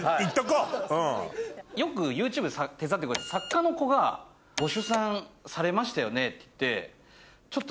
よくＹｏｕＴｕｂｅ手伝ってくれる作家の子が「ご出産されましたよね」って言って。